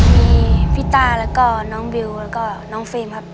มีพี่ต้าแล้วก็น้องบิวแล้วก็น้องฟิล์มครับ